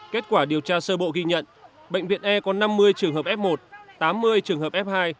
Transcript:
kết quả điều tra sơ bộ ghi nhận bệnh viện e có năm mươi trường hợp f một tám mươi trường hợp f hai